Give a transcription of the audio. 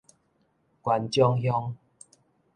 元長鄉